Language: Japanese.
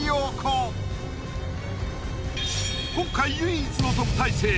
今回唯一の特待生